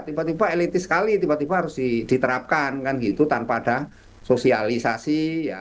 tiba tiba elitis sekali tiba tiba harus diterapkan kan gitu tanpa ada sosialisasi